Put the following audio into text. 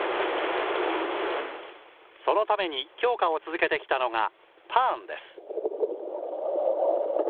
そのために強化を続けてきたのが、ターンです。